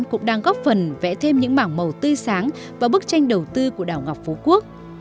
cũng đang góp phần vẽ thêm những mảng màu tươi sáng vào bức tranh đầu tư của đảo ngọc phú quốc